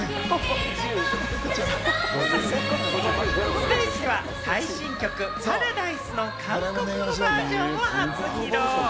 ステージでは、最新曲『Ｐａｒａｄｉｓｅ』の韓国語バージョンを初披露。